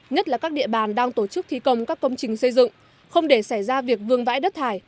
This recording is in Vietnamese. nhất là các địa bàn đang tổ chức thi công các công trình xây dựng không để xảy ra việc vương vãi đất thải